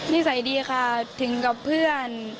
นิสัยดีค่ะถึงกับเพื่อน